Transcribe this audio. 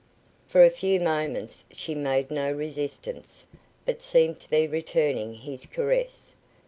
For a few moments she made no resistance, but seemed to be returning his caress.